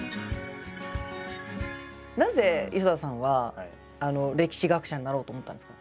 なぜ磯田さんは歴史学者になろうと思ったんですか？